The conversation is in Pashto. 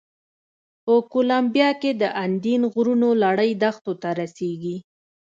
په کولمبیا کې د اندین غرونو لړۍ دښتو ته رسېږي.